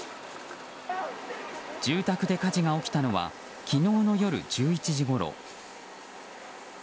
住宅で火事が起きたのは昨日の夜１１時ごろ。